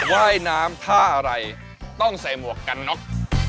ว่ายน้ำท่าอะไรต้องใส่หมวกกันน็อก